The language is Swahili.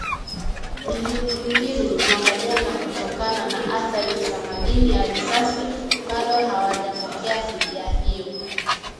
bilioni mbili mwaka jana kutokana na athari za madini ya risasi bado hawajapokea fidia hiyo